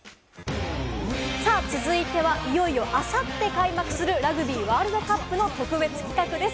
続いては、いよいよあさって開幕するラグビーワールドカップの特別企画です。